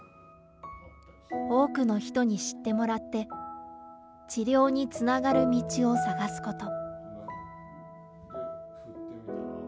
多くの人に知ってもらって、治療につながる道を探すこと。